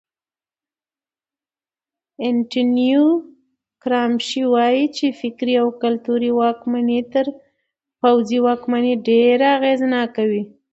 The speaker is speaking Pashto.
انتونیو ګرامشي وایي چې فکري او کلتوري واکمني تر پوځي واکمنۍ ډېره اغېزناکه وي.